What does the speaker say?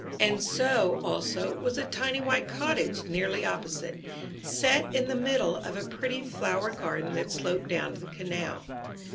And so, also, was the tiny white cottage nearly opposite, set in the middle of a pretty flower garden that sloped down to the canal.